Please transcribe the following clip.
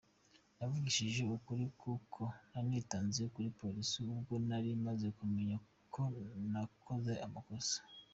Navugishije ukuri kuko nanitanze kuri polisi ubwo nari maze kumenya ko nakoze amakosa.